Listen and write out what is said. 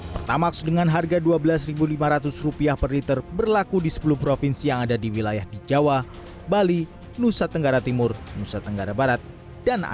pertamax dengan harga rp dua belas lima ratus per liter berlaku di sepuluh provinsi yang ada di wilayah di jawa bali nusa tenggara timur nusa tenggara barat